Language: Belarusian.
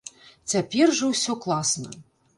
Цяпер жа ўсё класна!